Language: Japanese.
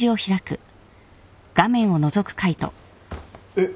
えっ！